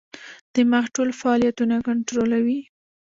دماغ ټول فعالیتونه کنټرولوي.